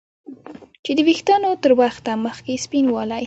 چې د ویښتانو تر وخته مخکې سپینوالی